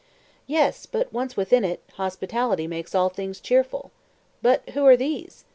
"Yes; but once within it, hospitality makes all things cheerful. But who are these?"